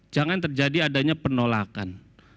jangan terjadi adanya penolakan